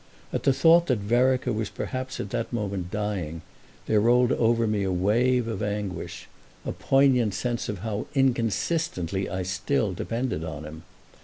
At the thought that Vereker was perhaps at that moment dying there rolled over me a wave of anguish—a poignant sense of how inconsistently I still depended on him.